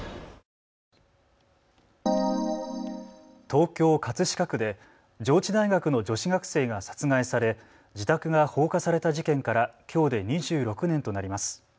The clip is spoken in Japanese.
東京葛飾区で上智大学の女子学生が殺害され自宅が放火された事件からきょうで２６年となります。